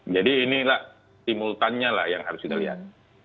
jadi inilah simultannya yang harus kita lihat